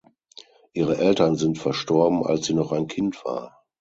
Ihre Eltern sind verstorben als sie noch ein Kind war.